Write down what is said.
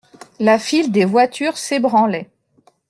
La file des voitures s'ébranlait.